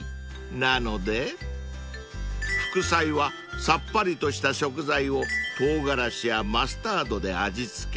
［なので副菜はさっぱりとした食材を唐辛子やマスタードで味付け］